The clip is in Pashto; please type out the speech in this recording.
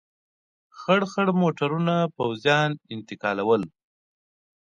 خړ خړ موټرونه پوځیان انتقالول.